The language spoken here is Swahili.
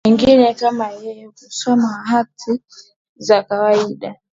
Bahati na wengine kama yeye kusoma hati za kawaida